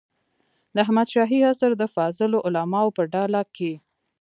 د احمد شاهي عصر د فاضلو علماوو په ډله کې.